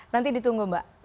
nanti ditunggu mbak